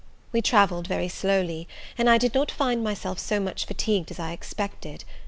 We travelled very slowly, and I did not find myself so much fatigued as I expected.